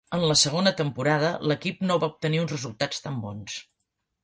En la segona temporada, l'equip no va obtenir uns resultats tan bons.